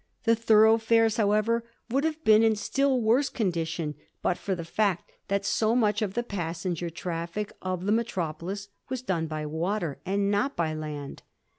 The thoroughfares, however, would haVe been in still worse condition but for the fact that so much of the passenger traffic of the metropolis was done by water and not by land.